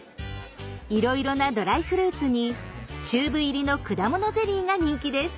いろいろなドライフルーツにチューブ入りの果物ゼリーが人気です。